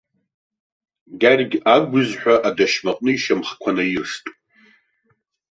Гьаргь агәызҳәа адашьмаҟны ишьамхқәа наирст.